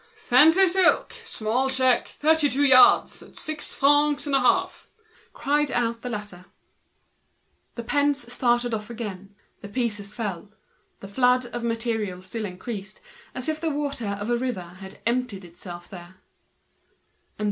"Fancy silk, small check, thirty two yards, at six francs and a half," cried out the latter. The pens started off again, the parcels fell regularly, the flood of stuffs still increased, as if the overflow of a river had emptied itself there.